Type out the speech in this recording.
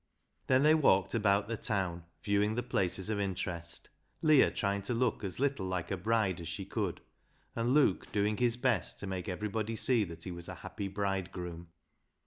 Then they walked about the town viewing the places of interest, Leah trying to look as little like a bride as she could, and Luke doing his best to make everybody see that he was a happy bridegroom.